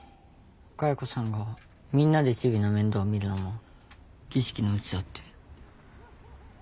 カヨコさんがみんなでチビの面倒見るのも儀式のうちだって。